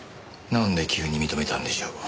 なんで急に認めたんでしょう？